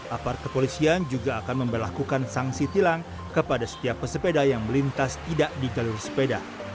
apart kepolisian juga akan memperlakukan sanksi tilang kepada setiap pesepeda yang melintas tidak di jalur sepeda